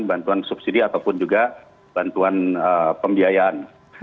bantuan subsidi ataupun juga bantuan pembiayaan